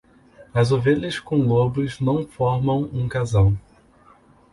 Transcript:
As ovelhas com lobos não formam um casal.